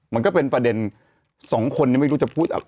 มันก็เป็นประเด็นสองคนยังไม่รู้จะพูดอะไร